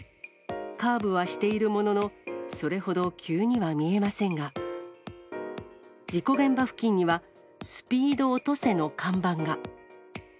カーブはしているものの、それほど急には見えませんが、事故現場付近には、スピード落とせの看板が。